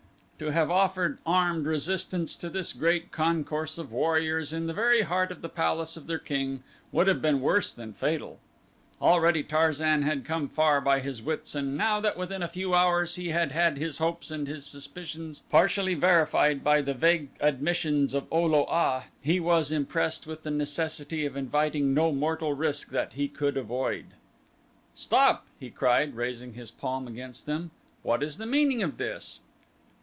To have offered armed resistance to this great concourse of warriors in the very heart of the palace of their king would have been worse than fatal. Already Tarzan had come far by his wits and now that within a few hours he had had his hopes and his suspicions partially verified by the vague admissions of O lo a he was impressed with the necessity of inviting no mortal risk that he could avoid. "Stop!" he cried, raising his palm against them. "What is the meaning of this?"